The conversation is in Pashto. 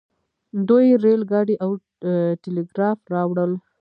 دوی ریل ګاډی او ټیلیګراف راوړل.